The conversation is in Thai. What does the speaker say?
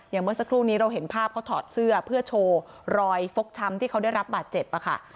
เมื่อสักครู่นี้เราเห็นภาพเขาถอดเสื้อเพื่อโชว์รอยฟกช้ำที่เขาได้รับบาดเจ็บค่ะ